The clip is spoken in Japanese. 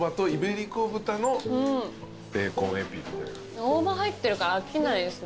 大葉入ってるから飽きないですね